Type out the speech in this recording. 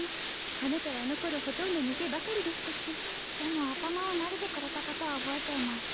あなたはあの頃ほとんど寝てばかりでしたしでも頭をなでてくれたことは覚えています